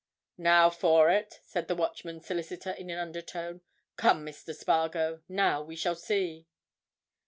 "Now for it!" said the Watchman's solicitor in an undertone. "Come, Mr. Spargo, now we shall see."